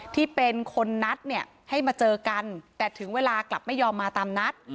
ที่เป็นคนนัดเนี่ยให้มาเจอกันแต่ถึงเวลากลับไม่ยอมมาตามนัด